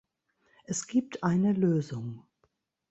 Es gibt eine Lösung.